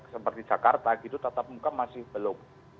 seperti jakarta tetap muka masih belum